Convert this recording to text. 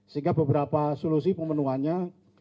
sehingga beberapa solusi pemenuhannya